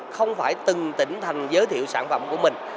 không phải từng tỉnh thành giới thiệu sản phẩm của mình